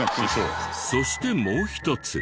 そしてもう一つ。